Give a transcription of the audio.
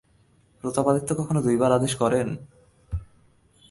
প্রতাপাদিত্য কখনো দুইবার আদেশ করেন?